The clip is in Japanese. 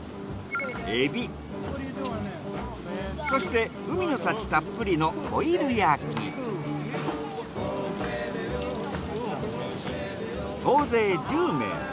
そして海の幸たっぷりの総勢１０名。